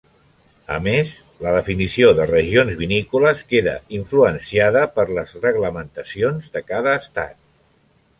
A més, la definició de regions vinícoles queda influenciada per les reglamentacions de cada estat.